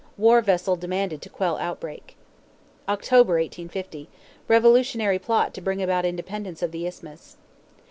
War vessel demanded to quell outbreak. October, 1850. Revolutionary plot to bring about independence of the Isthmus.